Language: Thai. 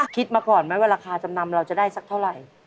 คิดมาก่อนไหมว่าราคาจำนำเราจะได้สักเท่าไหร่